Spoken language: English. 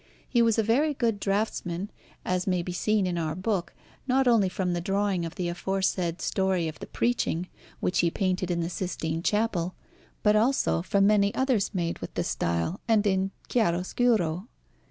He was a very good draughtsman, as may be seen in our book, not only from the drawing of the aforesaid story of the Preaching which he painted in the Sistine Chapel, but also from many others made with the style and in chiaroscuro.